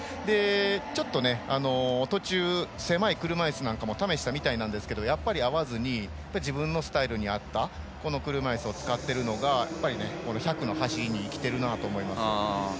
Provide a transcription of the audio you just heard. ちょっと途中狭い車いすなんかも試したみたいなんですけどやっぱり合わずに自分のスタイルに合った車いすを使っているのが、やっぱり１００の走りに生きているなと思います。